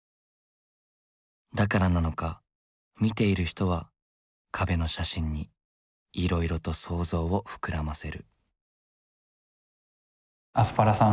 だからなのか見ている人は壁の写真にいろいろと想像を膨らませる。